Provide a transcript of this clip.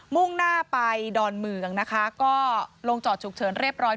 มุ่งหน้าไปดอนเมืองนะคะก็ลงจอดฉุกเฉินเรียบร้อย